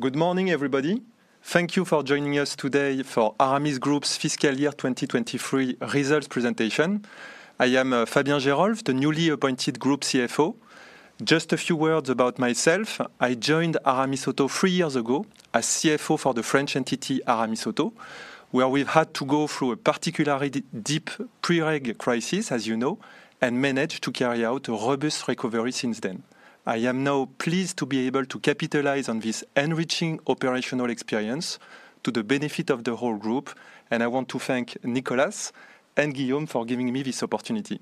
Good morning, everybody. Thank you for joining us today for Aramis Group's fiscal year 2023 results presentation. I am, Fabien Geerolf, the newly appointed Group CFO. Just a few words about myself: I joined Aramisauto three years ago as CFO for the French entity, Aramisauto, where we've had to go through a particularly deep pre-reg crisis, as you know, and managed to carry out a robust recovery since then. I am now pleased to be able to capitalize on this enriching operational experience to the benefit of the whole group, and I want to thank Nicolas and Guillaume for giving me this opportunity.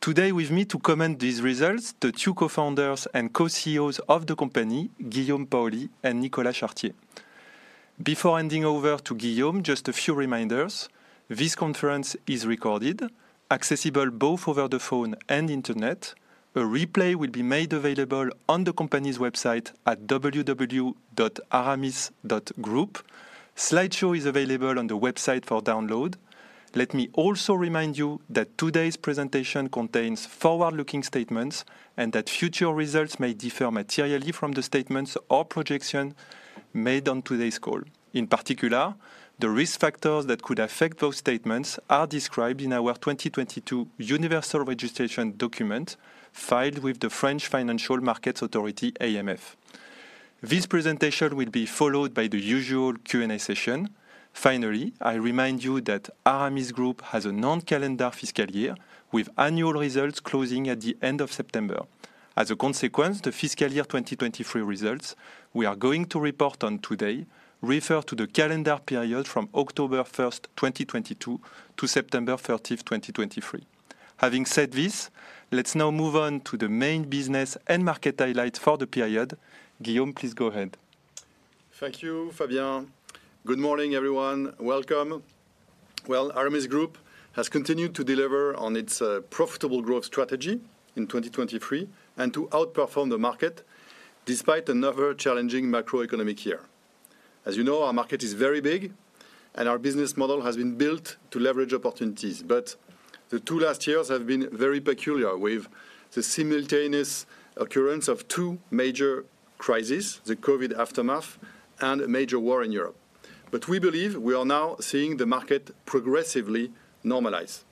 Today with me to comment these results, the two co-founders and co-CEOs of the company, Guillaume Paoli and Nicolas Chartier. Before handing over to Guillaume, just a few reminders. This conference is recorded, accessible both over the phone and internet. A replay will be made available on the company's website at www.aramis.group. Slideshow is available on the website for download. Let me also remind you that today's presentation contains forward-looking statements and that future results may differ materially from the statements or projection made on today's call. In particular, the risk factors that could affect those statements are described in our 2022 Universal Registration Document, filed with the French Financial Markets Authority, AMF. This presentation will be followed by the usual Q&A session. Finally, I remind you that Aramis Group has a non-calendar fiscal year, with annual results closing at the end of September. As a consequence, the fiscal year 2023 results we are going to report on today refer to the calendar period from October 1, 2022, to September 30, 2023. Having said this, let's now move on to the main business and market highlights for the period. Guillaume, please go ahead. Thank you, Fabien. Good morning, everyone. Welcome. Well, Aramis Group has continued to deliver on its profitable growth strategy in 2023 and to outperform the market despite another challenging macroeconomic year. As you know, our market is very big, and our business model has been built to leverage opportunities. But the two last years have been very peculiar, with the simultaneous occurrence of two major crises, the COVID aftermath and a major war in Europe. But we believe we are now seeing the market progressively normalize.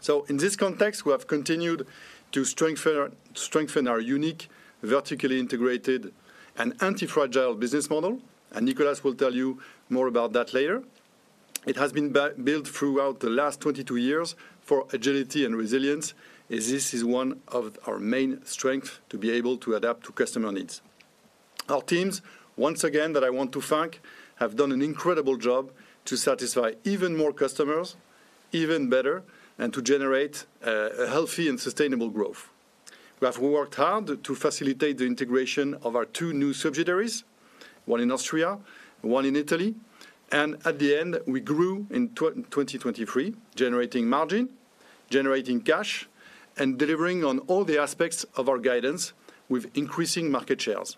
So in this context, we have continued to strengthen our unique, vertically integrated and anti-fragile business model, and Nicolas will tell you more about that later. It has been built throughout the last 22 years for agility and resilience, as this is one of our main strength to be able to adapt to customer needs. Our teams, once again, that I want to thank, have done an incredible job to satisfy even more customers, even better, and to generate a healthy and sustainable growth. We have worked hard to facilitate the integration of our two new subsidiaries, one in Austria, one in Italy, and at the end, we grew in 2023, generating margin, generating cash, and delivering on all the aspects of our guidance with increasing market shares.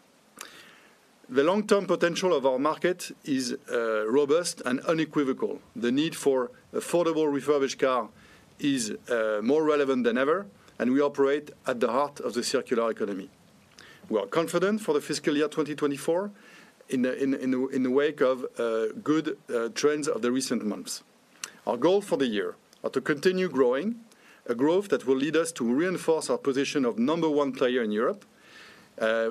The long-term potential of our market is robust and unequivocal. The need for affordable refurbished car is more relevant than ever, and we operate at the heart of the circular economy. We are confident for the fiscal year 2024 in the wake of good trends of the recent months. Our goal for the year are to continue growing, a growth that will lead us to reinforce our position of number one player in Europe,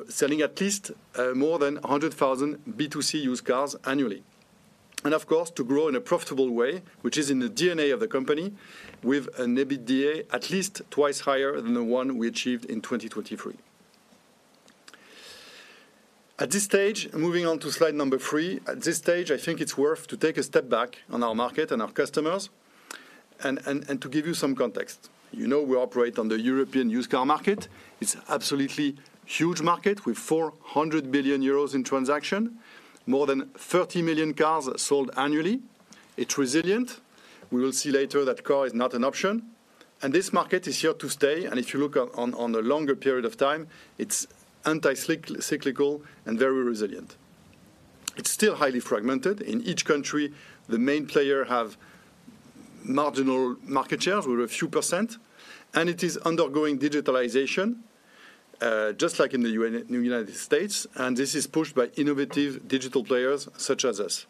selling at least more than 100,000 B2C used cars annually. And of course, to grow in a profitable way, which is in the DNA of the company, with an EBITDA at least twice higher than the one we achieved in 2023. At this stage... Moving on to slide number three. At this stage, I think it's worth to take a step back on our market and our customers and to give you some context. You know, we operate on the European used car market. It's absolutely huge market, with 400 billion euros in transaction, more than 30 million cars sold annually. It's resilient. We will see later that car is not an option. And this market is here to stay, and if you look at on a longer period of time, it's anti-cyclical and very resilient. It's still highly fragmented. In each country, the main player have marginal market share with a few percent, and it is undergoing digitalization just like in the United States, and this is pushed by innovative digital players such as us.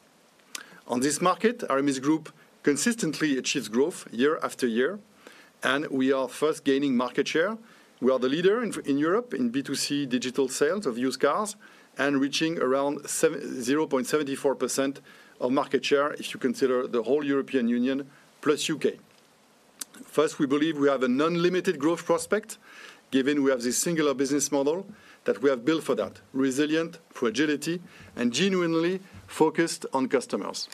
On this market, Aramis Group consistently achieves growth year after year, and we are first gaining market share. We are the leader in Europe in B2C digital sales of used cars and reaching around 0.74% of market share if you consider the whole European Union plus U.K. First, we believe we have an unlimited growth prospect, given we have this singular business model that we have built for that, resilient fragility and genuinely focused on customers.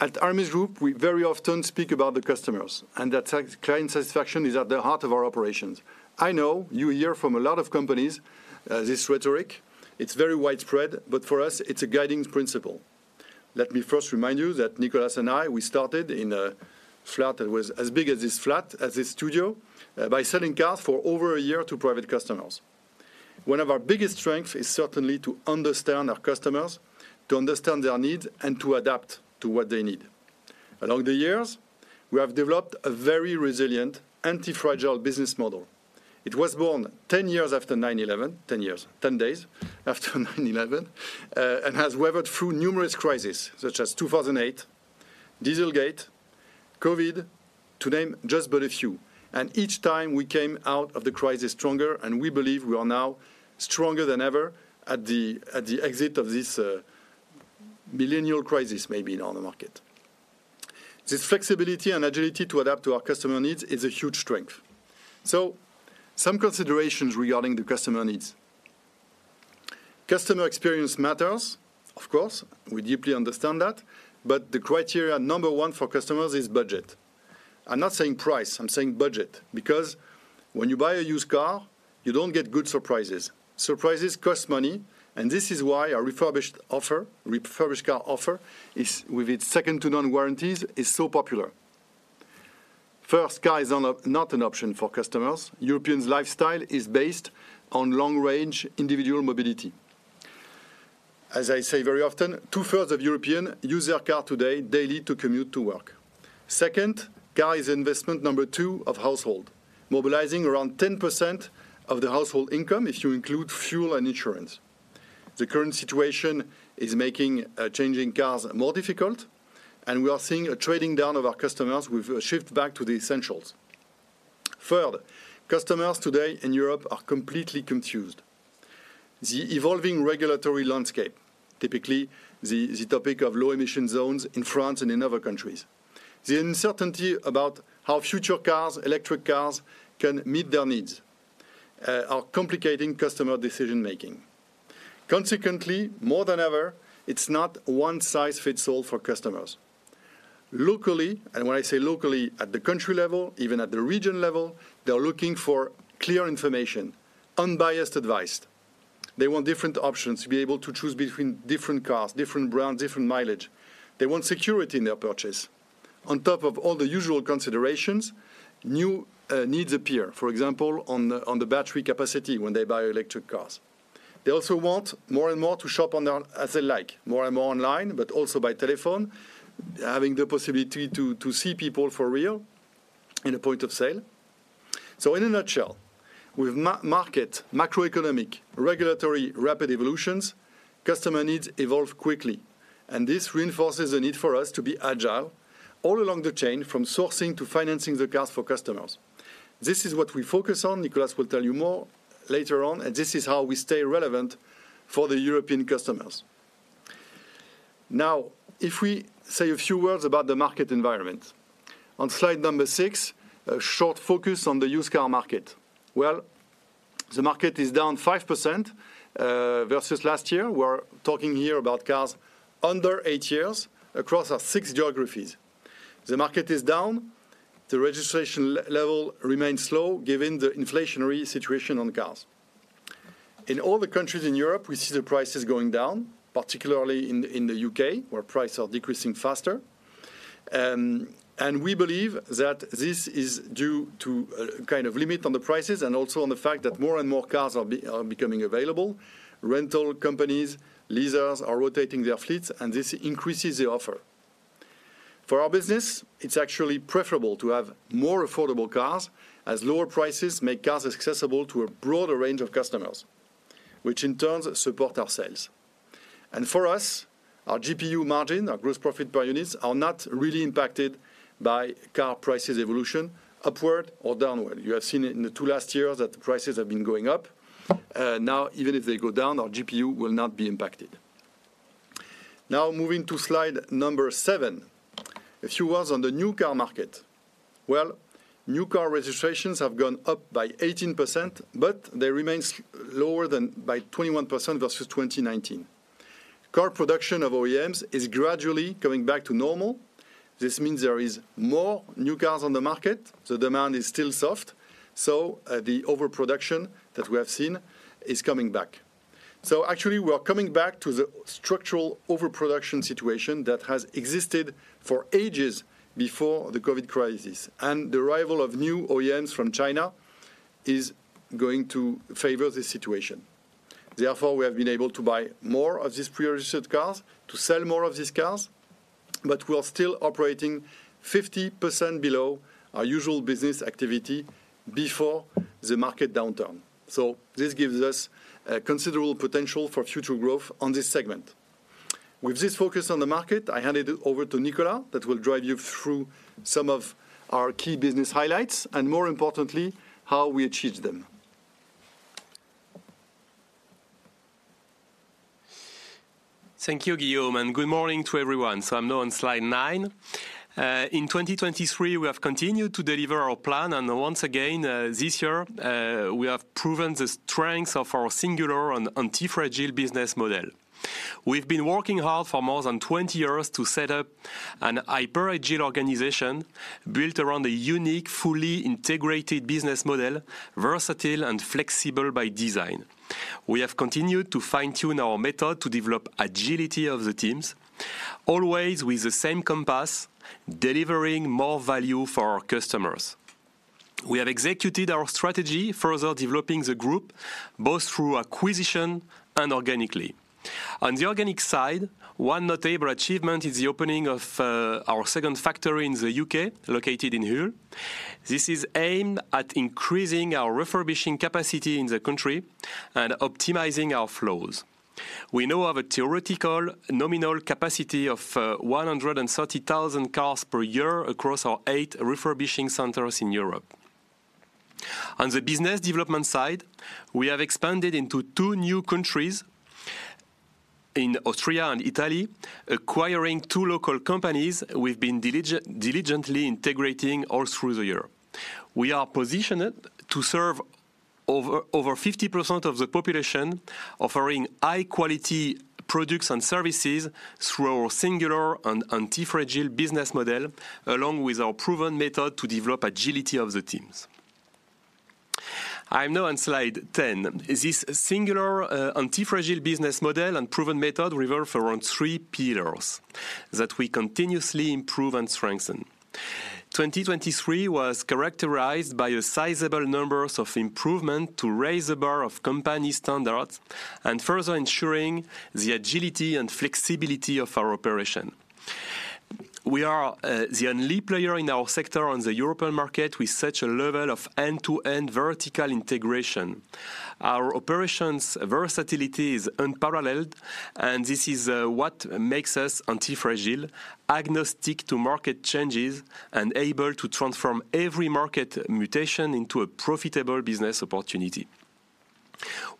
At Aramis Group, we very often speak about the customers, and that client satisfaction is at the heart of our operations. I know you hear from a lot of companies, this rhetoric. It's very widespread, but for us, it's a guiding principle. Let me first remind you that Nicolas and I, we started in a flat that was as big as this flat, as this studio, by selling cars for over a year to private customers. One of our biggest strength is certainly to understand our customers, to understand their needs, and to adapt to what they need. Along the years, we have developed a very resilient, anti-fragile business model. It was born 10 years after 9/11, 10 years, 10 days after 9/11, and has weathered through numerous crises, such as 2008, Dieselgate, COVID, to name just but a few. Each time we came out of the crisis stronger, and we believe we are now stronger than ever at the, at the exit of this, millennial crisis, maybe now on the market. This flexibility and agility to adapt to our customer needs is a huge strength. Some considerations regarding the customer needs. Customer experience matters, of course, we deeply understand that, but the criteria number one for customers is budget. I'm not saying price, I'm saying budget, because when you buy a used car, you don't get good surprises. Surprises cost money, and this is why our refurbished offer, refurbished car offer, is, with its second to none warranties, is so popular. First, car is on a, not an option for customers. Europeans lifestyle is based on long range, individual mobility. As I say very often, 2/3 of Europeans use their car today daily to commute to work. Second, car is investment number two of household, mobilizing around 10% of the household income if you include fuel and insurance. The current situation is making changing cars more difficult, and we are seeing a trading down of our customers with a shift back to the essentials. Third, customers today in Europe are completely confused. The evolving regulatory landscape, typically the topic of low emission zones in France and in other countries. The uncertainty about how future cars, electric cars, can meet their needs are complicating customer decision-making. Consequently, more than ever, it's not one size fits all for customers. Locally, and when I say locally, at the country level, even at the region level, they are looking for clear information, unbiased advice. They want different options to be able to choose between different cars, different brands, different mileage. They want security in their purchase. On top of all the usual considerations, new needs appear, for example, on the battery capacity when they buy electric cars. They also want more and more to shop on their own as they like, more and more online, but also by telephone, having the possibility to see people for real in a point of sale. So in a nutshell, with market, macroeconomic, regulatory, rapid evolutions, customer needs evolve quickly, and this reinforces the need for us to be agile all along the chain, from sourcing to financing the cars for customers. This is what we focus on. Nicolas will tell you more later on, and this is how we stay relevant for the European customers. Now, if we say a few words about the market environment. On slide number six, a short focus on the used car market. Well, the market is down 5%, versus last year. We're talking here about cars under eight years across our six geographies. The market is down. The registration level remains slow given the inflationary situation on cars. In all the countries in Europe, we see the prices going down, particularly in the U.K., where prices are decreasing faster. And we believe that this is due to kind of limit on the prices and also on the fact that more and more cars are becoming available. Rental companies, lessors are rotating their fleets, and this increases the offer. For our business, it's actually preferable to have more affordable cars, as lower prices make cars accessible to a broader range of customers, which in turn support our sales. And for us, our GPU margin, our gross profit per units, are not really impacted by car prices evolution, upward or downward. You have seen it in the two last years that the prices have been going up. Now, even if they go down, our GPU will not be impacted. Now, moving to slide number 7. A few words on the new car market. Well, new car registrations have gone up by 18%, but they remain lower than by 21% versus 2019. Car production of OEMs is gradually going back to normal. This means there is more new cars on the market, so demand is still soft, so, the overproduction that we have seen is coming back. So actually, we are coming back to the structural overproduction situation that has existed for ages before the COVID crisis, and the arrival of new OEMs from China is going to favor this situation. Therefore, we have been able to buy more of these pre-registered cars to sell more of these cars, but we are still operating 50% below our usual business activity before the market downturn. So this gives us a considerable potential for future growth on this segment. With this focus on the market, I hand it over to Nicolas, that will drive you through some of our key business highlights, and more importantly, how we achieved them. Thank you, Guillaume, and good morning to everyone. I'm now on slide nine. In 2023, we have continued to deliver our plan, and once again, this year, we have proven the strengths of our singular and anti-fragile business model. We've been working hard for more than 20 years to set up a hyper agile organization built around a unique, fully integrated business model, versatile and flexible by design. We have continued to fine-tune our method to develop agility of the teams, always with the same compass, delivering more value for our customers. We have executed our strategy, further developing the group, both through acquisition and organically. On the organic side, one notable achievement is the opening of our second factory in the U.K., located in Hull. This is aimed at increasing our refurbishing capacity in the country and optimizing our flows. We now have a theoretical nominal capacity of 130,000 cars per year across our 8 refurbishing centers in Europe. On the business development side, we have expanded into 2 new countries, in Austria and Italy, acquiring two local companies we've been diligently integrating all through the year. We are positioned to serve over 50% of the population, offering high-quality products and services through our singular and antifragile business model, along with our proven method to develop agility of the teams. I'm now on slide 10. This singular, antifragile business model and proven method revolve around three pillars that we continuously improve and strengthen. 2023 was characterized by a sizable numbers of improvement to raise the bar of company standards and further ensuring the agility and flexibility of our operation. We are the only player in our sector on the European market with such a level of end-to-end vertical integration. Our operations versatility is unparalleled, and this is what makes us antifragile, agnostic to market changes, and able to transform every market mutation into a profitable business opportunity.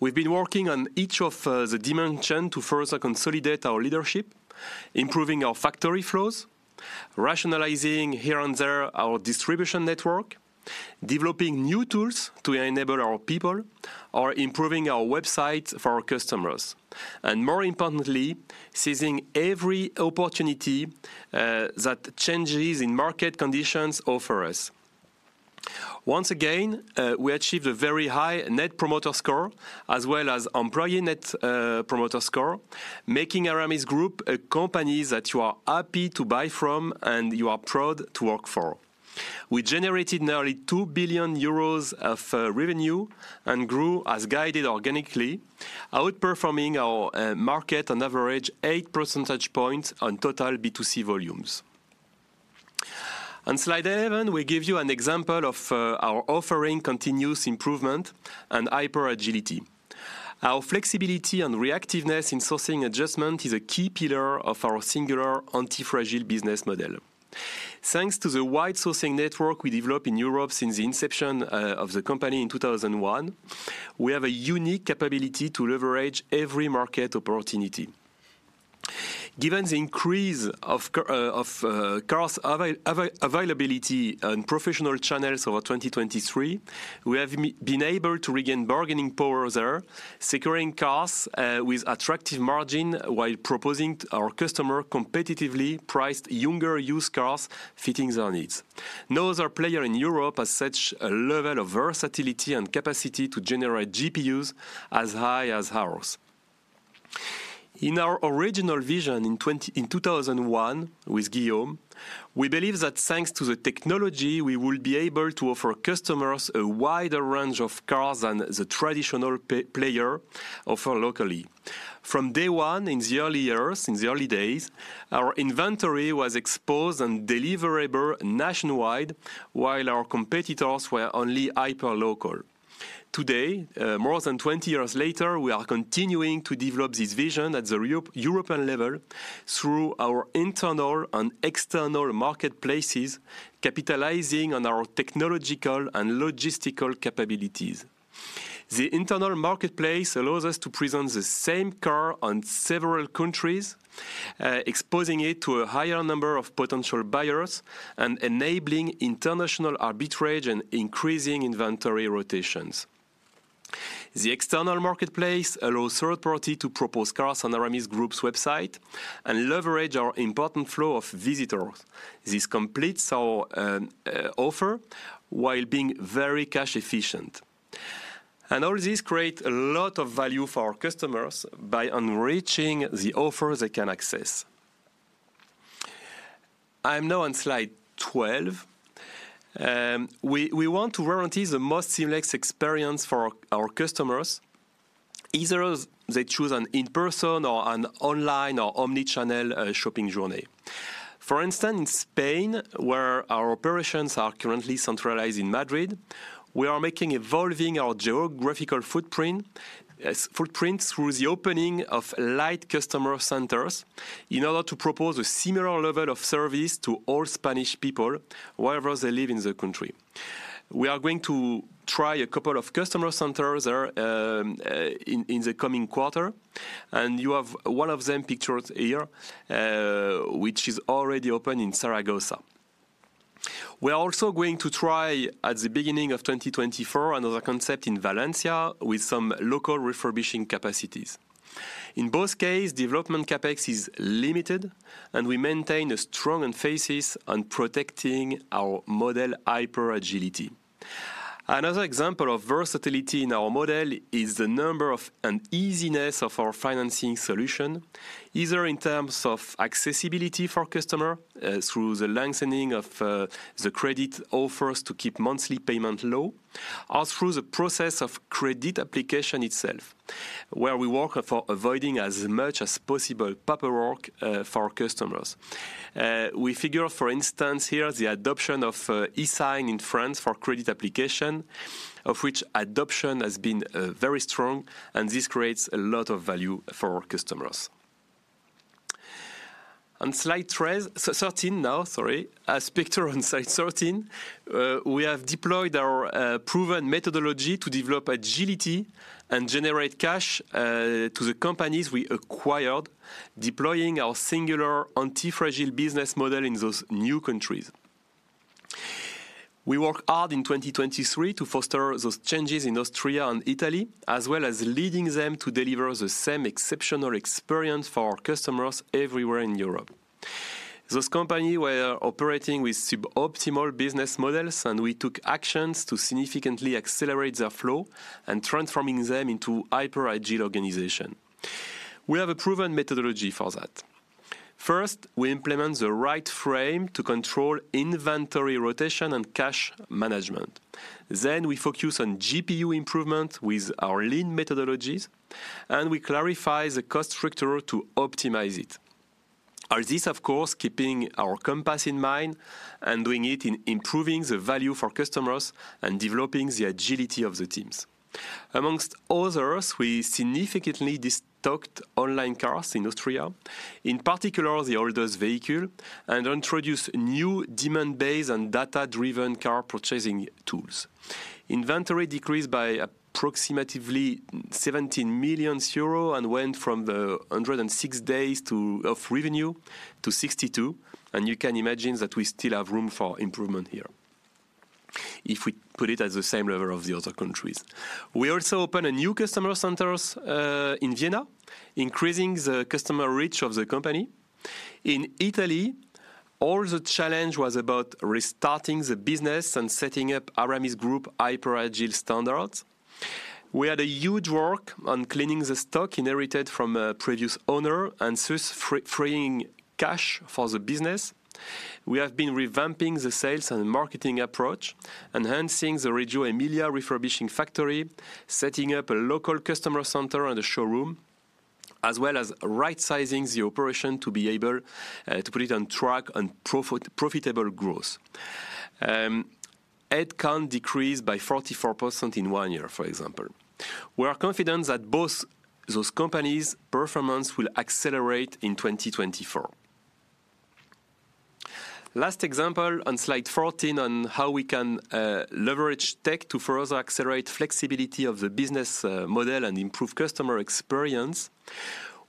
We've been working on each of the dimension to further consolidate our leadership, improving our factory flows, rationalizing here and there our distribution network, developing new tools to enable our people, or improving our website for our customers, and more importantly, seizing every opportunity that changes in market conditions offer us. Once again, we achieved a very high Net Promoter Score, as well as Employee Net Promoter Score, making Aramis Group a company that you are happy to buy from and you are proud to work for. We generated nearly 2 billion euros of revenue and grew as guided organically, outperforming our market on average 8 percentage points on total B2C volumes. On Slide 11, we give you an example of our offering continuous improvement and hyperagility. Our flexibility and reactiveness in sourcing adjustment is a key pillar of our singular antifragile business model. Thanks to the wide sourcing network we developed in Europe since the inception of the company in 2001, we have a unique capability to leverage every market opportunity. Given the increase of cars availability on professional channels over 2023, we have been able to regain bargaining power there, securing cars with attractive margin, while proposing to our customer competitively priced, younger used cars fitting their needs. No other player in Europe has such a level of versatility and capacity to generate GPUs as high as ours. In our original vision in 2001 with Guillaume, we believe that thanks to the technology, we will be able to offer customers a wider range of cars than the traditional player offer locally. From day one, in the early years, in the early days, our inventory was exposed and deliverable nationwide, while our competitors were only hyper local. Today, more than 20 years later, we are continuing to develop this vision at the European level through our internal and external marketplaces, capitalizing on our technological and logistical capabilities. The internal marketplace allows us to present the same car on several countries, exposing it to a higher number of potential buyers and enabling international arbitrage and increasing inventory rotations. The external marketplace allows third party to propose cars on Aramis Group's website and leverage our important flow of visitors. This completes our offer, while being very cash efficient. And all this create a lot of value for our customers by enriching the offer they can access. I'm now on slide 12. We want to guarantee the most seamless experience for our customers, either as they choose an in-person or an online or omni-channel shopping journey. For instance, in Spain, where our operations are currently centralized in Madrid, we are making evolving our geographical footprint, as footprint through the opening of light customer centers in order to propose a similar level of service to all Spanish people, wherever they live in the country. We are going to try a couple of customer centers there in the coming quarter, and you have one of them pictured here, which is already open in Zaragoza. We are also going to try, at the beginning of 2024, another concept in Valencia with some local refurbishing capacities. In both case, development CapEx is limited, and we maintain a strong emphasis on protecting our model hyperagility. Another example of versatility in our model is the number of and easiness of our financing solution, either in terms of accessibility for customer, through the lengthening of the credit offers to keep monthly payment low, or through the process of credit application itself, where we work for avoiding as much as possible paperwork for our customers. We figure, for instance, here, the adoption of e-sign in France for credit application, of which adoption has been very strong, and this creates a lot of value for our customers. On slide 13 now, sorry. As pictured on slide 13, we have deployed our proven methodology to develop agility and generate cash to the companies we acquired, deploying our singular antifragile business model in those new countries. We worked hard in 2023 to foster those changes in Austria and Italy, as well as leading them to deliver the same exceptional experience for our customers everywhere in Europe. Those company were operating with suboptimal business models, and we took actions to significantly accelerate their flow and transforming them into hyper-agile organization. We have a proven methodology for that. First, we implement the right frame to control inventory, rotation, and cash management. Then, we focus on GPU improvement with our lean methodologies, and we clarify the cost structure to optimize it. All this, of course, keeping our compass in mind and doing it in improving the value for customers and developing the agility of the teams. Among others, we significantly destocked Onlinecars in Austria, in particular, the oldest vehicle, and introduced new demand-based and data-driven car purchasing tools. Inventory decreased by approximately 17 million euro and went from 106 days of revenue to 62 million, and you can imagine that we still have room for improvement here if we put it at the same level of the other countries. We also opened a new customer centers in Vienna, increasing the customer reach of the company. In Italy, all the challenge was about restarting the business and setting up Aramis Group hyper-agile standards. We had a huge work on cleaning the stock inherited from a previous owner and thus freeing cash for the business. We have been revamping the sales and marketing approach, enhancing the Reggio Emilia refurbishing factory, setting up a local customer center and a showroom, as well as right-sizing the operation to be able to put it on track on profitable growth. Ad count decreased by 44% in one year, for example. We are confident that both those companies' performance will accelerate in 2024. Last example, on Slide 14 on how we can leverage tech to further accelerate flexibility of the business model and improve customer experience.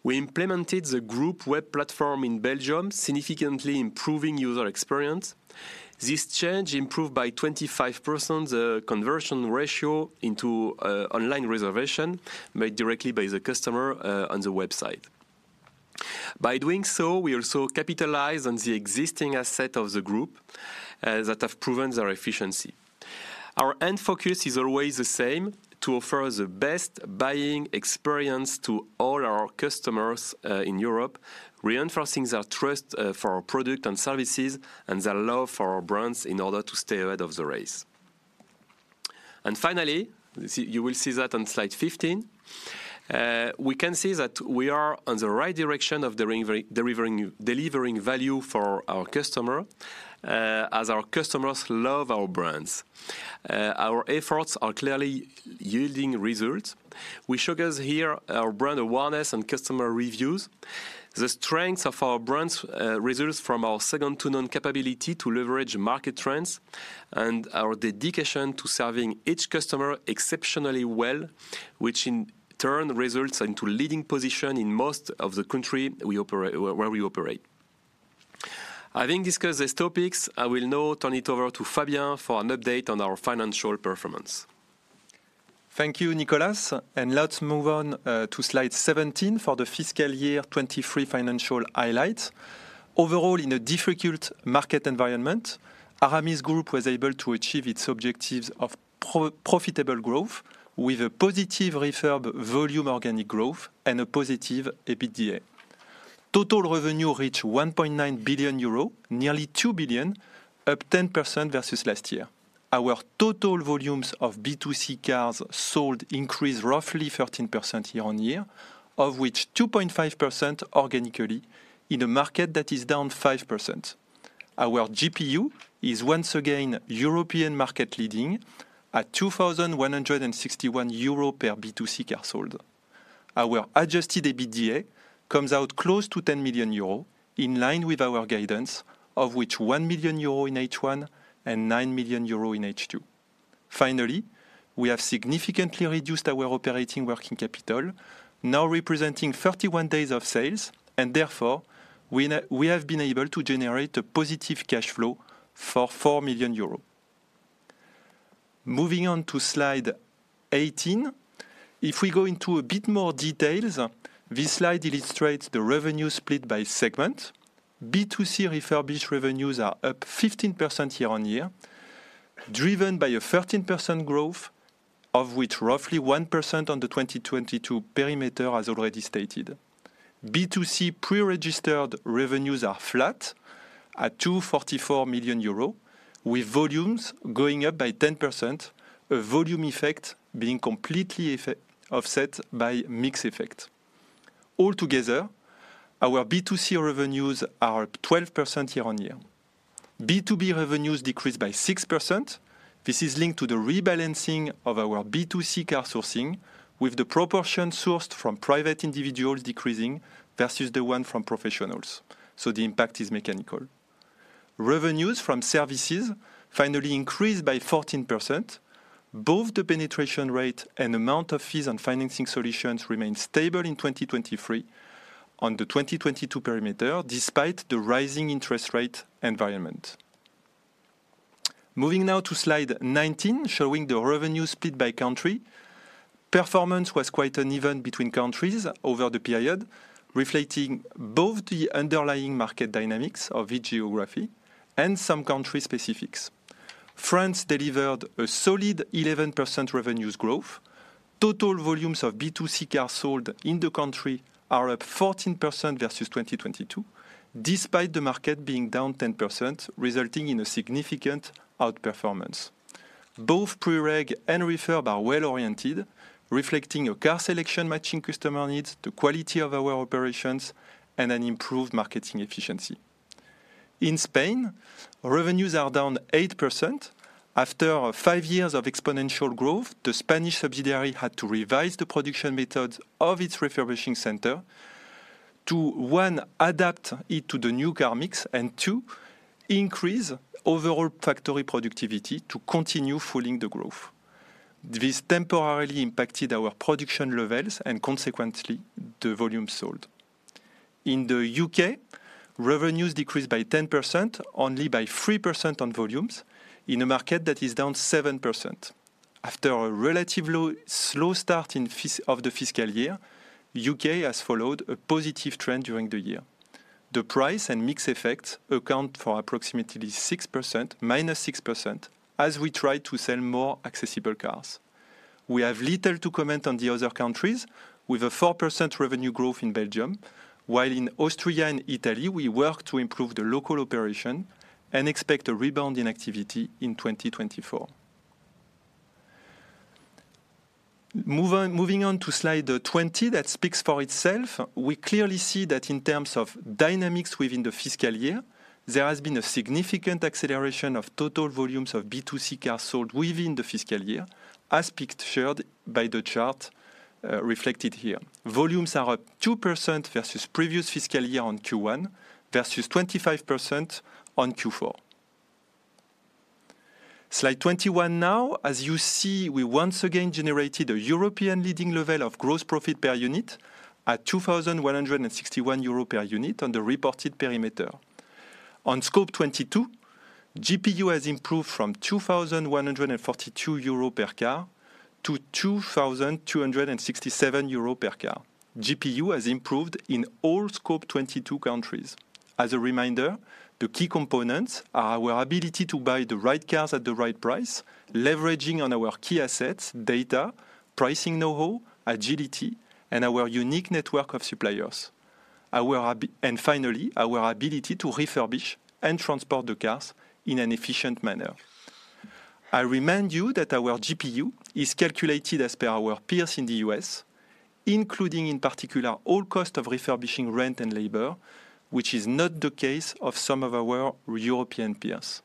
We implemented the group web platform in Belgium, significantly improving user experience. This change improved by 25% the conversion ratio into online reservation made directly by the customer on the website. By doing so, we also capitalize on the existing asset of the group that have proven their efficiency. Our end focus is always the same, to offer the best buying experience to all our customers in Europe, reinforcing their trust for our product and services and their love for our brands in order to stay ahead of the race. And finally, you see, you will see that on slide 15. We can see that we are on the right direction of delivering value for our customer as our customers love our brands. Our efforts are clearly yielding results. We showcase here our brand awareness and customer reviews. The strength of our brands results from our second-to-none capability to leverage market trends and our dedication to serving each customer exceptionally well, which in turn results into leading position in most of the country we operate... where we operate. Having discussed these topics, I will now turn it over to Fabien for an update on our financial performance. Thank you, Nicolas, and let's move on to slide 17 for the fiscal year 2023 financial highlights. Overall, in a difficult market environment, Aramis Group was able to achieve its objectives of profitable growth with a positive refurb volume organic growth and a positive EBITDA. Total revenue reached 1.9 billion euros, nearly two billion, up 10% versus last year. Our total volumes of B2C cars sold increased roughly 13% year-on-year, of which 2.5% organically in a market that is down 5%. Our GPU is once again European market leading at 2,161 euro per B2C car sold. Our adjusted EBITDA comes out close to 10 million euro, in line with our guidance, of which 1 million euro in H1 and 9 million euro in H2. Finally, we have significantly reduced our operating working capital, now representing 31 days of sales, and therefore, we have been able to generate a positive cash flow for 4 million euros. Moving on to Slide 18. If we go into a bit more details, this slide illustrates the revenue split by segment. B2C refurbished revenues are up 15% year-on-year, driven by a 13% growth, of which roughly 1% on the 2022 perimeter, as already stated. B2C pre-registered revenues are flat at 244 million euros, with volumes going up by 10%, a volume effect being completely offset by mix effect. Altogether, our B2C revenues are up 12% year-on-year. B2B revenues decreased by 6%. This is linked to the rebalancing of our B2C car sourcing, with the proportion sourced from private individuals decreasing versus the one from professionals, so the impact is mechanical. Revenues from services finally increased by 14%. Both the penetration rate and amount of fees on financing solutions remained stable in 2023 on the 2022 perimeter, despite the rising interest rate environment. Moving now to slide 19, showing the revenue split by country. Performance was quite uneven between countries over the period, reflecting both the underlying market dynamics of each geography and some country specifics. France delivered a solid 11% revenues growth. Total volumes of B2C cars sold in the country are up 14% versus 2022, despite the market being down 10%, resulting in a significant outperformance. Both pre-reg and refurb are well-oriented, reflecting a car selection matching customer needs, the quality of our operations, and an improved marketing efficiency. In Spain, revenues are down 8%. After five years of exponential growth, the Spanish subsidiary had to revise the production methods of its refurbishing center to, one, adapt it to the new car mix and two, increase overall factory productivity to continue fueling the growth. This temporarily impacted our production levels and consequently, the volume sold. In the U.K., revenues decreased by 10%, only by 3% on volumes, in a market that is down 7%. After a relatively slow start in the fiscal year, U.K. has followed a positive trend during the year. The price and mix effects account for approximately 6%, -6%, as we try to sell more accessible cars. We have little to comment on the other countries, with a 4% revenue growth in Belgium, while in Austria and Italy, we work to improve the local operation and expect a rebound in activity in 2024. Move on-- moving on to slide 20, that speaks for itself. We clearly see that in terms of dynamics within the fiscal year, there has been a significant acceleration of total volumes of B2C cars sold within the fiscal year, as pictured by the chart reflected here. Volumes are up 2% versus previous fiscal year on Q1, versus 25% on Q4. Slide 21 now. As you see, we once again generated a European leading level of gross profit per unit at 2,161 euro per unit on the reported perimeter. On scope 22, GPU has improved from 2,142 euro per car to 2,267 euro per car. GPU has improved in all scope 22 countries. As a reminder, the key components are our ability to buy the right cars at the right price, leveraging on our key assets, data, pricing know-how, agility, and our unique network of suppliers. And finally, our ability to refurbish and transport the cars in an efficient manner. I remind you that our GPU is calculated as per our peers in the U.S., including, in particular, all cost of refurbishing, rent, and labor, which is not the case of some of our European peers.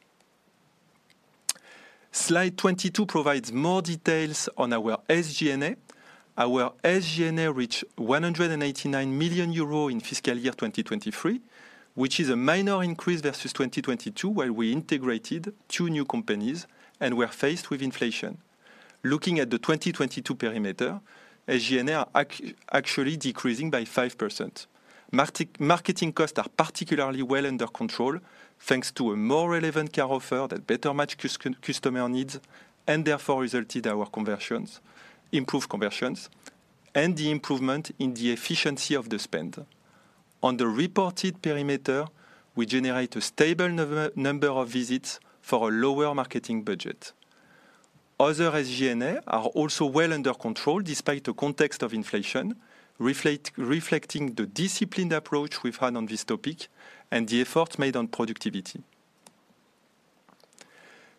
Slide 22 provides more details on our SG&A. Our SG&A reached 189 million euro in fiscal year 2023, which is a minor increase versus 2022, where we integrated two new companies and were faced with inflation. Looking at the 2022 perimeter, SG&A are actually decreasing by 5%. Marketing costs are particularly well under control, thanks to a more relevant car offer that better match customer needs, and therefore, resulted our conversions, improved conversions, and the improvement in the efficiency of the spend. On the reported perimeter, we generate a stable number of visits for a lower marketing budget. Other SG&A are also well under control, despite a context of inflation, reflecting the disciplined approach we've had on this topic and the effort made on productivity.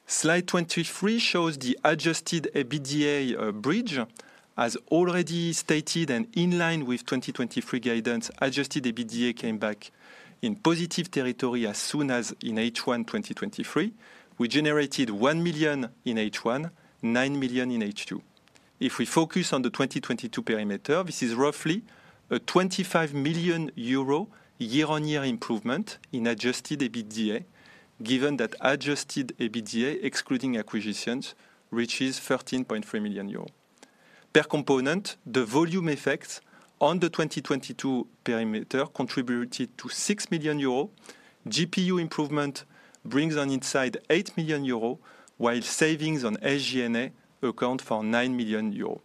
Slide 23 shows the adjusted EBITDA bridge. As already stated and in line with 2023 guidance, adjusted EBITDA came back in positive territory as soon as in H1 2023. We generated 1 million in H1, 9 million in H2. If we focus on the 2022 perimeter, this is roughly a 25 million euro year-on-year improvement in adjusted EBITDA, given that adjusted EBITDA, excluding acquisitions, reaches 13.3 million euros. Per component, the volume effects on the 2022 perimeter contributed to 6 million euros. GPU improvement brings on inside 8 million euros, while savings on SG&A account for 9 million euros.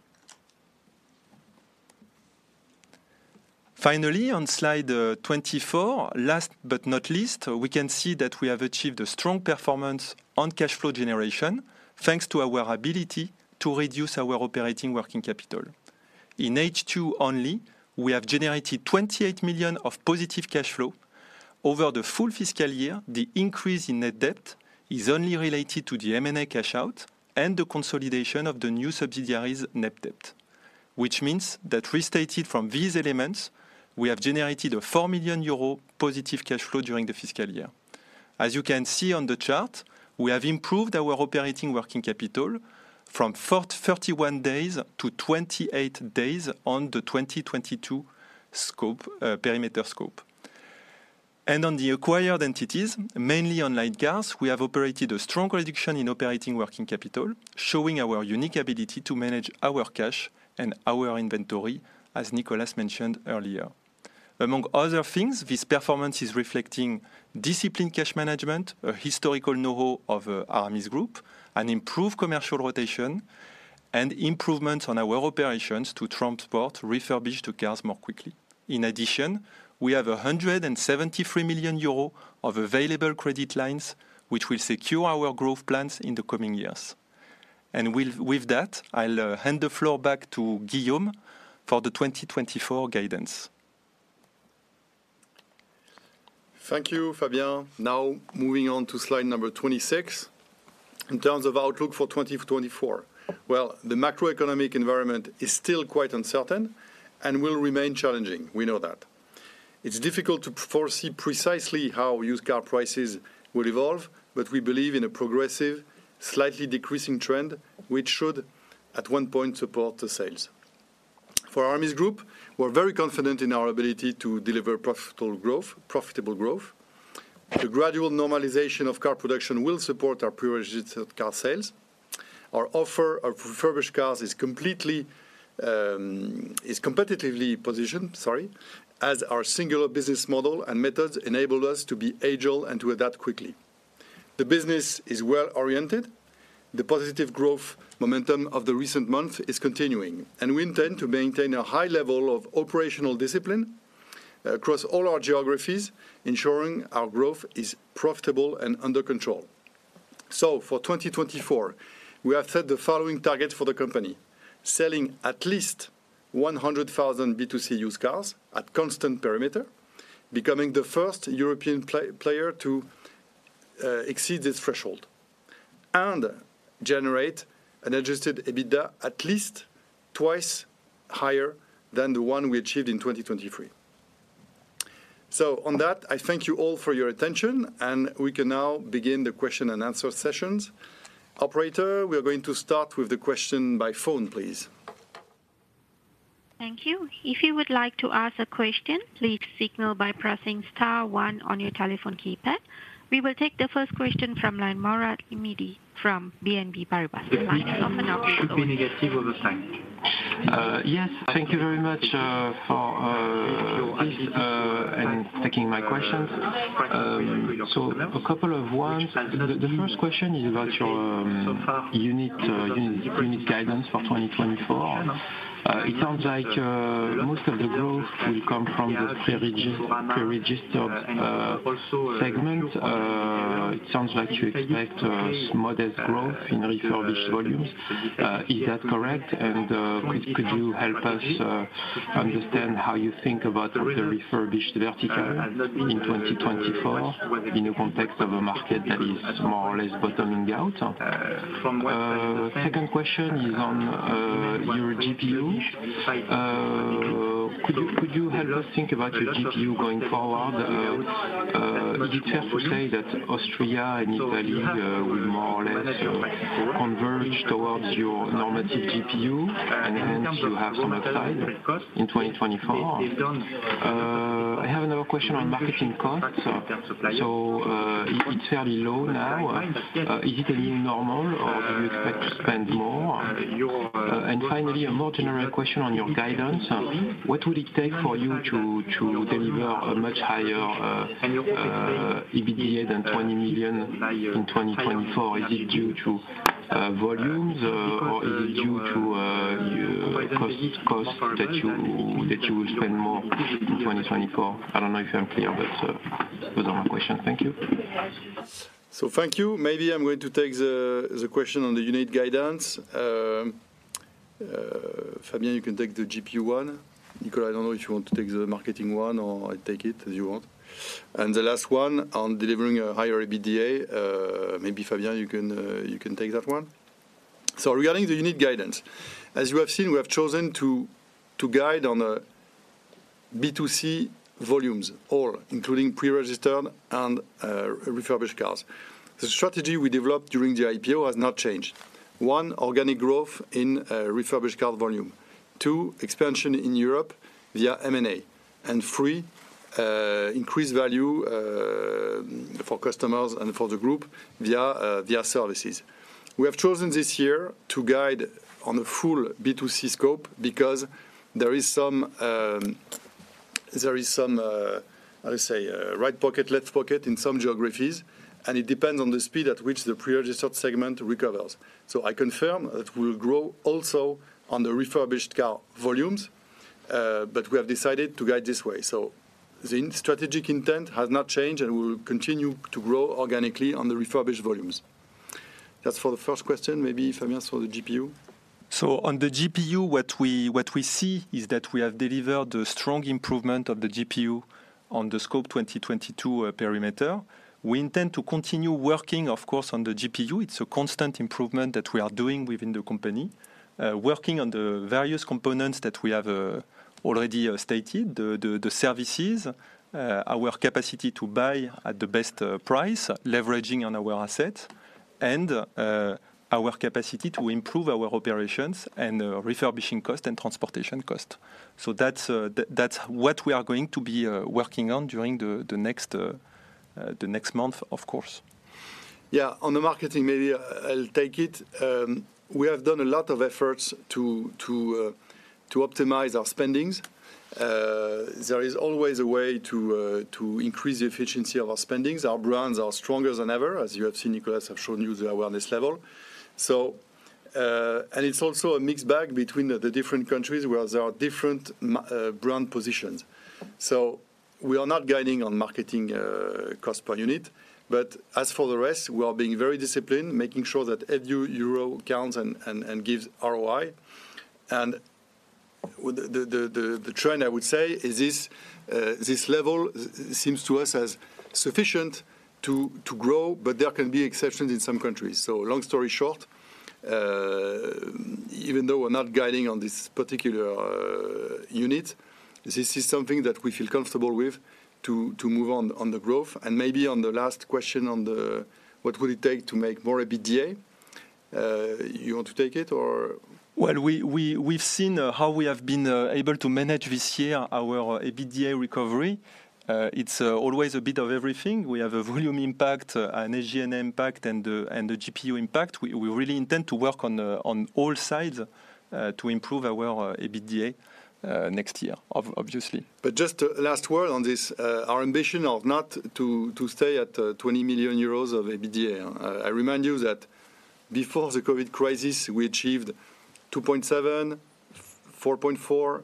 Finally, on slide 24, last but not least, we can see that we have achieved a strong performance on cash flow generation, thanks to our ability to reduce our operating working capital. In H2 only, we have generated 28 million of positive cash flow. Over the full fiscal year, the increase in net debt is only related to the M&A cash out and the consolidation of the new subsidiaries' net debt. Which means that restated from these elements, we have generated a 4 million euro positive cash flow during the fiscal year. As you can see on the chart, we have improved our operating working capital from 41 days to 28 days on the 2022 scope, perimeter scope. On the acquired entities, mainly on Clicars, we have operated a strong reduction in operating working capital, showing our unique ability to manage our cash and our inventory, as Nicolas mentioned earlier. Among other things, this performance is reflecting disciplined cash management, a historical know-how of Aramis Group, an improved commercial rotation, and improvements on our operations to transport, refurbish the cars more quickly. In addition, we have 173 million euros of available credit lines, which will secure our growth plans in the coming years. With that, I'll hand the floor back to Guillaume for the 2024 guidance. Thank you, Fabien. Now, moving on to slide number 26. In terms of outlook for 2024, well, the macroeconomic environment is still quite uncertain and will remain challenging, we know that. It's difficult to foresee precisely how used car prices will evolve, but we believe in a progressive, slightly decreasing trend, which should, at one point, support the sales. For Aramis Group, we're very confident in our ability to deliver profitable growth, profitable growth. The gradual normalization of car production will support our pre-registered car sales. Our offer of refurbished cars is completely, is competitively positioned, sorry, as our singular business model and methods enable us to be agile and to adapt quickly. The business is well-oriented. The positive growth momentum of the recent month is continuing, and we intend to maintain a high level of operational discipline across all our geographies, ensuring our growth is profitable and under control. For 2024, we have set the following targets for the company: selling at least 100,000 B2C used cars at constant perimeter, becoming the first European player to exceed this threshold, and generate an adjusted EBITDA at least twice higher than the one we achieved in 2023. On that, I thank you all for your attention, and we can now begin the question and answer sessions. Operator, we are going to start with the question by phone, please. Thank you. If you would like to ask a question, please signal by pressing star one on your telephone keypad. We will take the first question from line Mourad Lahmidi from BNP Paribas.... Should be negative over time. Yes, thank you very much for taking my questions. So a couple of ones. The first question is about your unit guidance for 2024. It sounds like most of the growth will come from the pre-registered segment. It sounds like you expect modest growth in refurbished volumes. Is that correct? And could you help us understand how you think about the refurbished vertical in 2024, in the context of a market that is more or less bottoming out? Second question is on your GPU. Could you help us think about your GPU going forward? Is it fair to say that Austria and Italy will more or less converge towards your normative GPU, and hence you have some upside in 2024? I have another question on marketing costs. It's fairly low now. Is it a new normal, or do you expect to spend more? And finally, a more general question on your guidance. What would it take for you to deliver a much higher EBITDA than 20 million in 2024? Is it due to volumes, or is it due to your costs that you will spend more in 2024? I don't know if I'm clear, but those are my questions. Thank you. So thank you. Maybe I'm going to take the question on the unit guidance. Fabien, you can take the GPU one. Nicolas, I don't know if you want to take the marketing one, or I take it, as you want. And the last one on delivering a higher EBITDA, maybe Fabien, you can take that one. So regarding the unit guidance, as you have seen, we have chosen to guide on a B2C volumes, all, including pre-registered and refurbished cars. The strategy we developed during the IPO has not changed. One, organic growth in refurbished car volume. Two, expansion in Europe via M&A, and three, increased value for customers and for the group via services. We have chosen this year to guide on the full B2C scope because there is some, there is some, how we say, right pocket, left pocket in some geographies, and it depends on the speed at which the pre-registered segment recovers. So I confirm that we'll grow also on the refurbished car volumes, but we have decided to guide this way. So the strategic intent has not changed, and we will continue to grow organically on the refurbished volumes. That's for the first question, maybe, Fabien, for the GPU. So on the GPU, what we, what we see is that we have delivered a strong improvement of the GPU on the scope 2022 perimeter. We intend to continue working, of course, on the GPU. It's a constant improvement that we are doing within the company. Working on the various components that we have already stated, the services, our capacity to buy at the best price, leveraging on our assets, and our capacity to improve our operations and refurbishing cost and transportation cost. So that's what we are going to be working on during the next month, of course. Yeah. On the marketing, maybe I'll take it. We have done a lot of efforts to optimize our spendings. There is always a way to increase the efficiency of our spendings. Our brands are stronger than ever, as you have seen, Nicolas, I've shown you the awareness level. So, and it's also a mixed bag between the different countries where there are different brand positions. So we are not guiding on marketing cost per unit, but as for the rest, we are being very disciplined, making sure that every euro counts and gives ROI. The trend, I would say, is this level seems to us as sufficient to grow, but there can be exceptions in some countries. So long story short, even though we're not guiding on this particular unit, this is something that we feel comfortable with to move on the growth. And maybe on the last question on the what would it take to make more EBITDA? You want to take it or? Well, we've seen how we have been able to manage this year our EBITDA recovery. It's always a bit of everything. We have a volume impact, an Asian impact, and a GPU impact. We really intend to work on all sides to improve our EBITDA next year, obviously. But just a last word on this, our ambition not to stay at 20 million euros of EBITDA. I remind you that before the COVID crisis, we achieved 2.7%, 4.4%,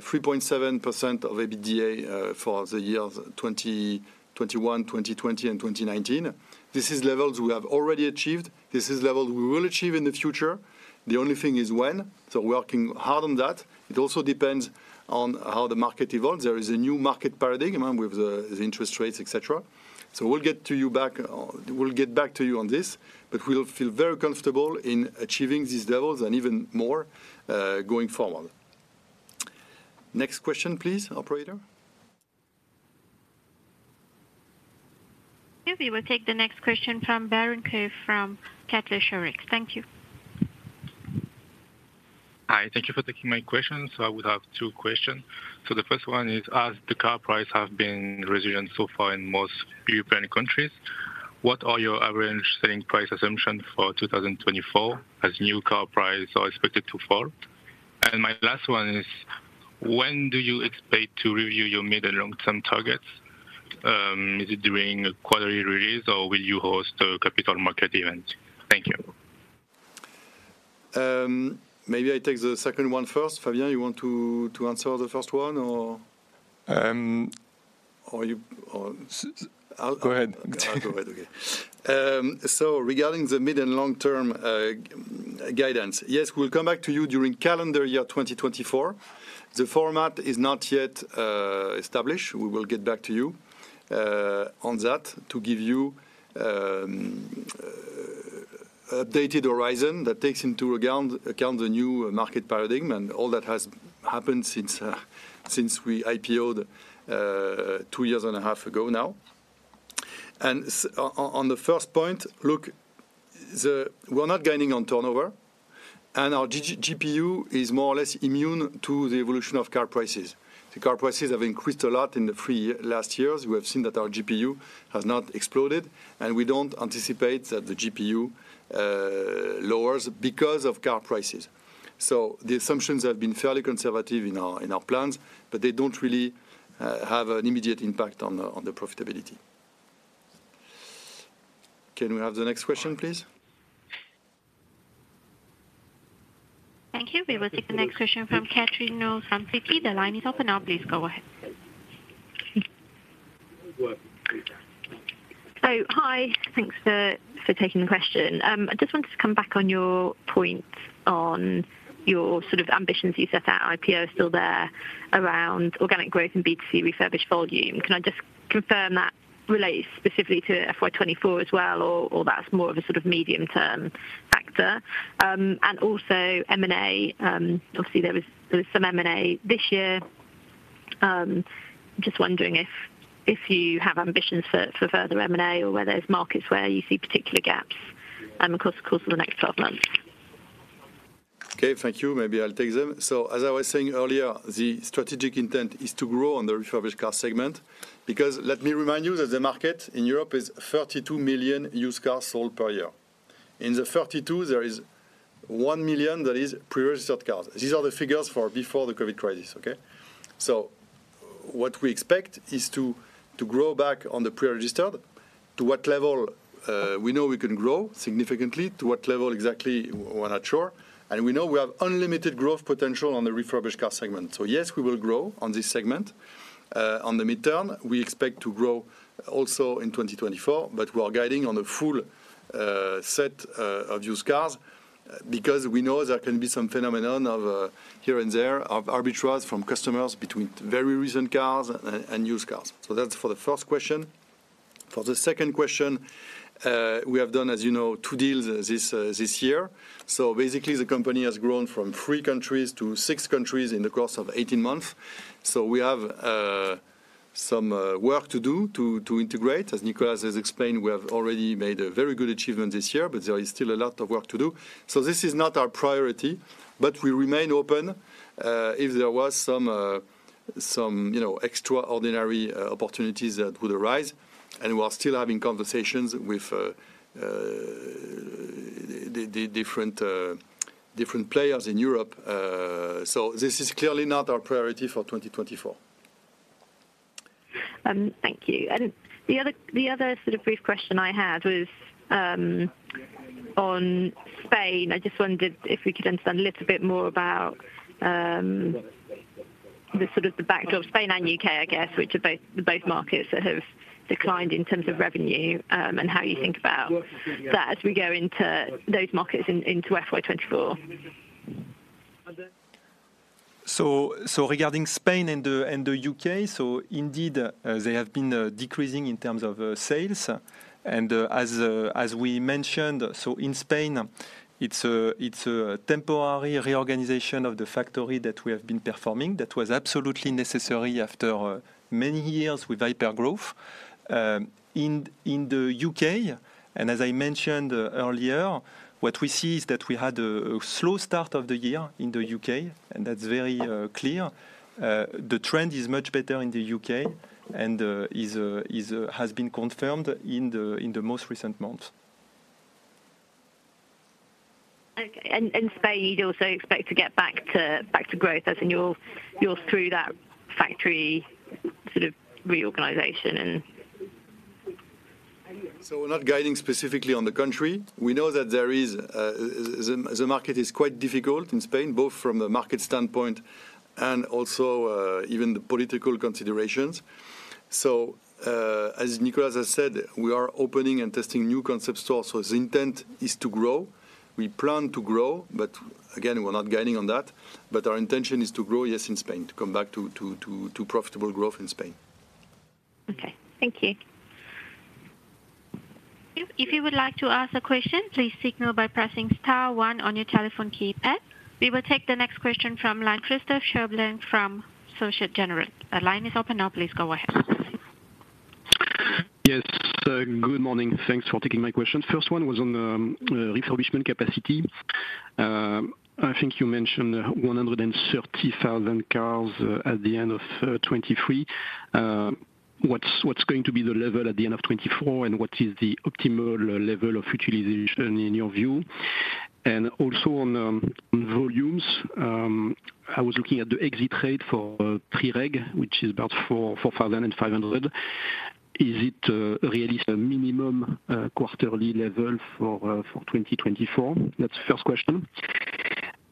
3.7% of EBITDA for the year 2021, 2020 and 2019. This is levels we have already achieved. This is levels we will achieve in the future. The only thing is when, so we're working hard on that. It also depends on how the market evolves. There is a new market paradigm with the interest rates, et cetera. So we'll get to you back... We'll get back to you on this, but we'll feel very comfortable in achieving these levels and even more, going forward. Next question, please, operator. Yeah, we will take the next question from Beren Khaeuv from Kepler Cheuvreux. Thank you. Hi, thank you for taking my question. I would have two questions. The first one is, as the car price have been resilient so far in most European countries, what are your average selling price assumption for 2024, as new car prices are expected to fall? My last one is, when do you expect to review your mid and long-term targets? Is it during a quarterly release, or will you host a capital market event? Thank you. Maybe I take the second one first. Fabien, you want to answer the first one or? Um- Or you, or... Go ahead. I'll go ahead. Okay. So regarding the mid- and long-term guidance, yes, we'll come back to you during calendar year 2024. The format is not yet established. We will get back to you on that to give you updated horizon that takes into account the new market paradigm and all that has happened since we IPO'd two years and a half ago now. And so on the first point, look, we're not gaining on turnover, and our GPU is more or less immune to the evolution of car prices. The car prices have increased a lot in the last three years. We have seen that our GPU has not exploded, and we don't anticipate that the GPU lowers because of car prices. So the assumptions have been fairly conservative in our, in our plans, but they don't really have an immediate impact on the, on the profitability. Can we have the next question, please? Thank you. We will take the next question from Catherine O'Neill from Citi. The line is open now. Please go ahead. So hi, thanks for taking the question. I just wanted to come back on your point on your sort of ambitions you set out, IPO is still there, around organic growth and B2C refurbished volume. Can I just confirm that relates specifically to FY 2024 as well, or that's more of a sort of medium-term factor? And also M&A. Obviously, there was some M&A this year. Just wondering if you have ambitions for further M&A or whether there's markets where you see particular gaps, across the course of the next 12 months? ... Okay, thank you. Maybe I'll take them. So as I was saying earlier, the strategic intent is to grow on the refurbished car segment, because let me remind you that the market in Europe is 32 million used cars sold per year. In the 32, there is 1 million that is pre-registered cars. These are the figures for before the COVID crisis, okay? So what we expect is to grow back on the pre-registered. To what level? We know we can grow significantly. To what level exactly, we're not sure, and we know we have unlimited growth potential on the refurbished car segment. So, yes, we will grow on this segment. On the midterm, we expect to grow also in 2024, but we are guiding on a full set of used cars, because we know there can be some phenomenon of here and there of arbitrage from customers between very recent cars and used cars. So that's for the first question. For the second question, we have done, as you know, two deals this year. So basically the company has grown from three countries to six countries in the course of 18 months. So we have some work to do to integrate. As Nicolas has explained, we have already made a very good achievement this year, but there is still a lot of work to do. So this is not our priority, but we remain open if there was some, you know, extraordinary opportunities that would arise, and we are still having conversations with the different players in Europe. So this is clearly not our priority for 2024. Thank you. And the other sort of brief question I had was on Spain. I just wondered if we could understand a little bit more about the sort of backdrop, Spain and U.K., I guess, which are both markets that have declined in terms of revenue, and how you think about that as we go into those markets into FY 2024. Regarding Spain and the U.K., so indeed, they have been decreasing in terms of sales. As we mentioned, so in Spain, it's a temporary reorganization of the factory that we have been performing. That was absolutely necessary after many years with hyper growth. In the U.K., and as I mentioned earlier, what we see is that we had a slow start of the year in the U.K., and that's very clear. The trend is much better in the U.K. and has been confirmed in the most recent months. Okay. And Spain, you'd also expect to get back to growth as in you're through that factory sort of reorganization, and... So we're not guiding specifically on the country. We know that the market is quite difficult in Spain, both from a market standpoint and also even the political considerations. So, as Nicolas has said, we are opening and testing new concept stores, so the intent is to grow. We plan to grow, but again, we're not guiding on that. But our intention is to grow, yes, in Spain, to come back to profitable growth in Spain. Okay, thank you. If you would like to ask a question, please signal by pressing star one on your telephone keypad. We will take the next question from line, Christophe Cherblanc from Société Générale. The line is open now, please go ahead. Yes, good morning. Thanks for taking my question. First one was on the refurbishment capacity. I think you mentioned 130,000 cars at the end of 2023. What's going to be the level at the end of 2024, and what is the optimal level of utilization in your view? And also on volumes, I was looking at the exit rate for pre-reg, which is about 4,500. Is it really a minimum quarterly level for 2024? That's the first question.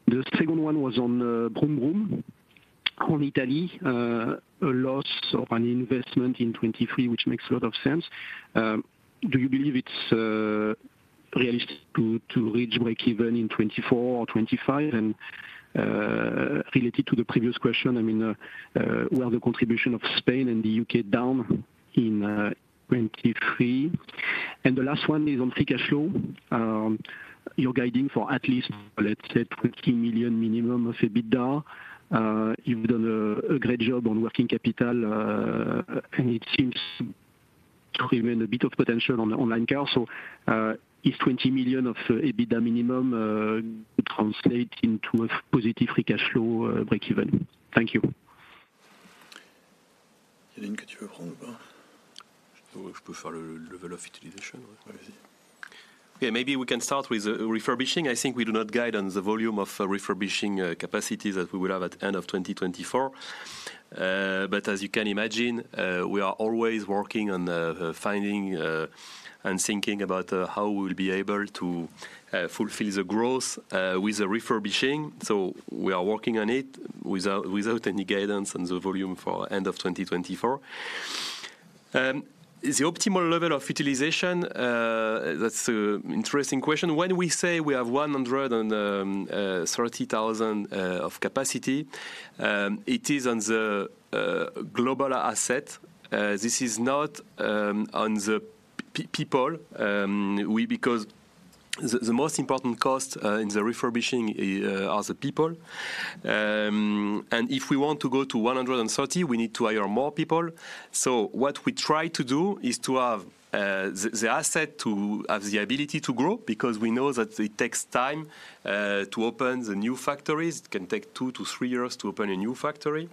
The second one was on Brumbrum. On Italy, a loss of an investment in 2023, which makes a lot of sense. Do you believe it's realistic to reach breakeven in 2024 or 2025? Related to the previous question, I mean, where the contribution of Spain and the U.K. down in 2023. The last one is on free cash flow. You're guiding for at least, let's say, 20 million minimum of EBITDA. You've done a great job on working capital, and it seems to remain a bit of potential on Onlinecars. So, if 20 million of EBITDA minimum translate into a positive free cash flow, breakeven. Thank you. Okay, maybe we can start with refurbishing. I think we do not guide on the volume of refurbishing capacity that we will have at the end of 2024. But as you can imagine, we are always working on the finding and thinking about how we will be able to fulfill the growth with the refurbishing. So we are working on it without any guidance on the volume for end of 2024. The optimal level of utilization, that's an interesting question. When we say we have 130,000 of capacity, it is on the global asset. This is not on the people, because the most important cost in the refurbishing are the people.... And if we want to go to 130, we need to hire more people. So what we try to do is to have the asset, to have the ability to grow, because we know that it takes time to open the new factories. It can take two to three years to open a new factory.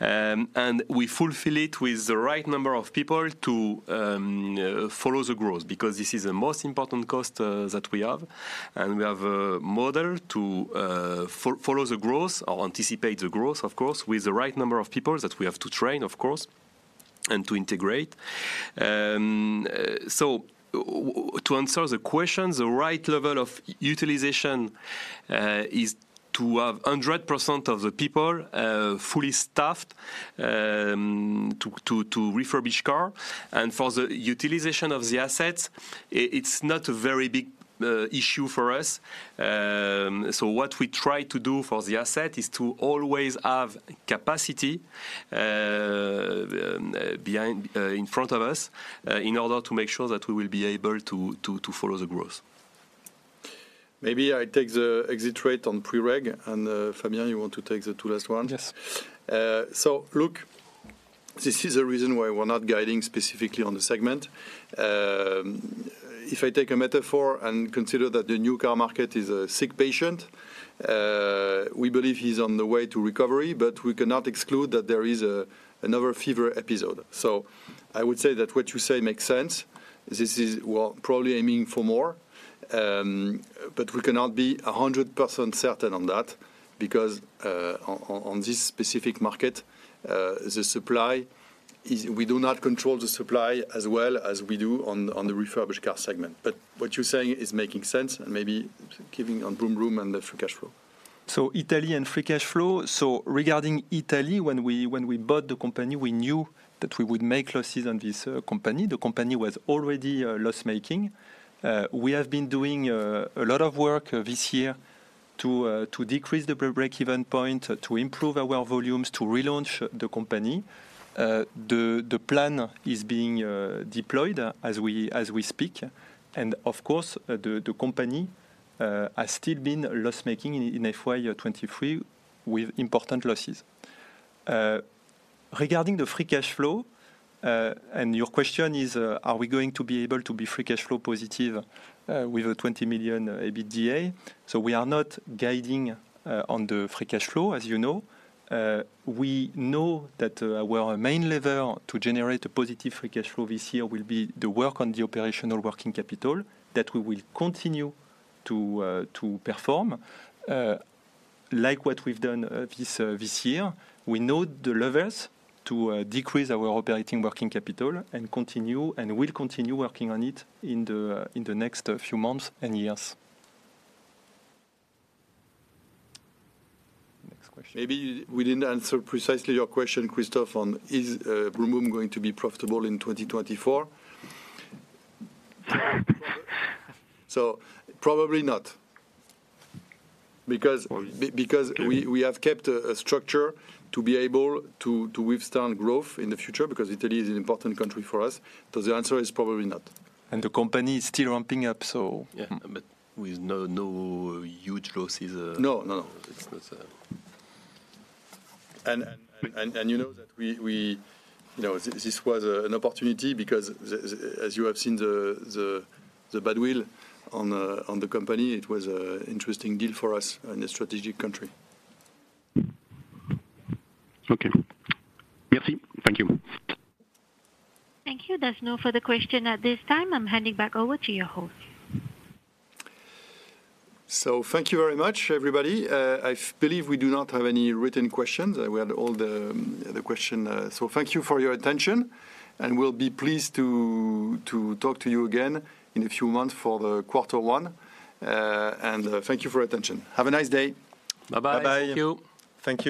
And we fulfill it with the right number of people to follow the growth, because this is the most important cost that we have. And we have a model to follow the growth or anticipate the growth, of course, with the right number of people that we have to train, of course, and to integrate. So to answer the question, the right level of utilization is to have 100% of the people fully staffed to refurbish car. For the utilization of the assets, it's not a very big issue for us. What we try to do for the asset is to always have capacity behind in front of us in order to make sure that we will be able to follow the growth. Maybe I take the exit rate on pre-reg, and Fabien, you want to take the two last one? Yes. So look, this is the reason why we're not guiding specifically on the segment. If I take a metaphor and consider that the new car market is a sick patient, we believe he's on the way to recovery, but we cannot exclude that there is another fever episode. So I would say that what you say makes sense. This is, we're probably aiming for more, but we cannot be 100% certain on that because on this specific market, the supply is. We do not control the supply as well as we do on the refurbished car segment. But what you're saying is making sense and maybe keeping on Brumbrum and the free cash flow. Italy and free cash flow. Regarding Italy, when we bought the company, we knew that we would make losses on this company. The company was already loss-making. We have been doing a lot of work this year to decrease the breakeven point, to improve our volumes, to relaunch the company. The plan is being deployed as we speak, and of course, the company has still been loss-making in FY 2023 with important losses. Regarding the free cash flow, and your question is, are we going to be able to be free cash flow positive with a 20 million EBITDA? We are not guiding on the free cash flow, as you know. We know that our main lever to generate a positive free cash flow this year will be the work on the operational working capital that we will continue to perform, like what we've done this year. We know the levers to decrease our operating working capital and continue, and we'll continue working on it in the next few months and years. Next question. Maybe we didn't answer precisely your question, Christophe, on, is Brumbrum going to be profitable in 2024? So probably not, because- Because we have kept a structure to be able to withstand growth in the future, because Italy is an important country for us. So the answer is probably not. The company is still ramping up, so- Yeah, but with no huge losses. No, no, no. It's not, You know, that we... You know, this was an opportunity because as you have seen the badwill on the company, it was an interesting deal for us in a strategic country. Okay. Merci. Thank you. Thank you. There's no further question at this time. I'm handing back over to your host. So thank you very much, everybody. I believe we do not have any written questions. We had all the, the question, so thank you for your attention, and we'll be pleased to talk to you again in a few months for the Quarter One. Thank you for your attention. Have a nice day. Bye-bye. Bye-bye. Thank you. Thank you.